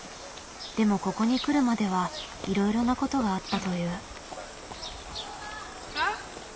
でもここに来るまではいろいろなことがあったという。